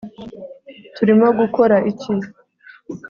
turimo gukora iki